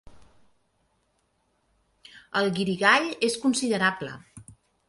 El guirigall és considerable.